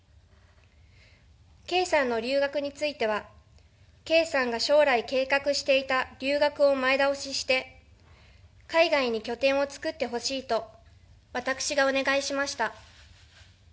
圭さんの留学については圭さんが将来計画していた留学を前倒しして海外に拠点を作ってほしいと私がお願いしました。